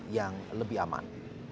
yang lebih aman